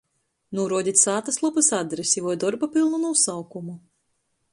Nūruodit sātyslopys adresi voi dorba pylnu nūsaukumu.